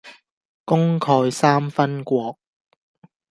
功蓋三分國